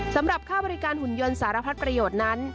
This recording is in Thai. สำหรับค่าบริการหุ่นยนต์สารพัดประโยชน์นั้น